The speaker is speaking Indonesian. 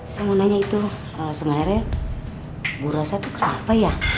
saya mau nanya itu sebenarnya bu rasa itu kenapa ya